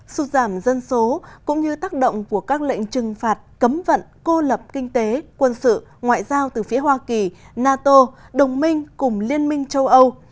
sụt giảm dân số cũng như tác động của các lệnh trừng phạt cấm vận cô lập kinh tế quân sự ngoại giao từ phía hoa kỳ nato đồng minh cùng liên minh châu âu